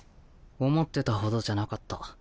思ってたほどじゃなかった。